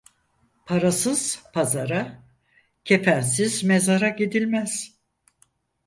Parasız pazara, kefensiz mezara gidilmez.